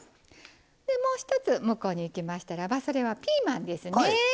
でもう一つ向こうにいきましたらばそれはピーマンですね。